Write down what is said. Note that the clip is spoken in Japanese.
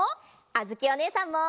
あづきおねえさんも。